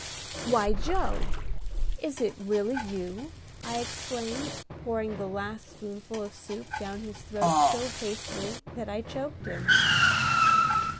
"Why, Joe! is it really you?" I exclaimed, pouring the last spoonful of soup down his throat so hastily that I choked him.